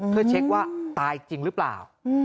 เพื่อเช็คว่าตายจริงหรือเปล่า